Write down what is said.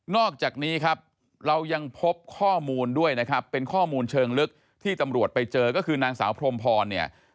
อกจากนี้ครับเรายังพบข้อมูลด้วยนะครับเป็นข้อมูลเชิงลึกที่ตำรวจไปเจอก็คือนางสาวพรมพรเนี่ย